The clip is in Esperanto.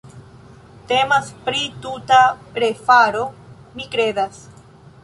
Temas pri tuta refaro, mi kredas.